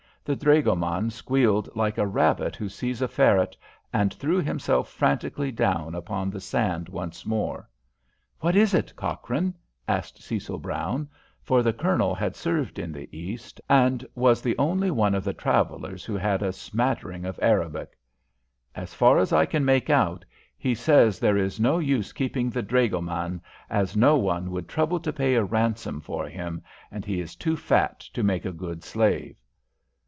The dragoman squealed like a rabbit who sees a ferret, and threw himself frantically down upon the sand once more. "What is it, Cochrane?" asked Cecil Brown, for the Colonel had served in the East, and was the only one of the travellers who had a smattering of Arabic. "As far as I can make out, he says there is no use keeping the dragoman, as no one would trouble to pay a ransom for him, and he is too fat to make a good slave."